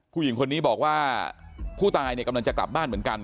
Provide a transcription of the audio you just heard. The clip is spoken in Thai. ผู้หญิงคนนี้บอกว่าผู้ตายเนี่ยกำลังจะกลับบ้านเหมือนกัน